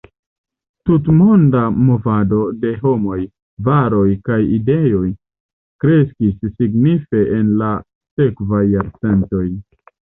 Tutmonda movado de homoj, varoj, kaj ideoj kreskis signife en la sekvaj jarcentoj.